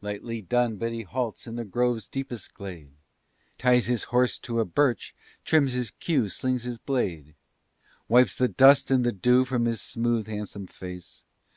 Lightly done! but he halts in the grove's deepest glade, Ties his horse to a birch, trims his cue, slings his blade, Wipes the dust and the dew from his smooth, handsome face.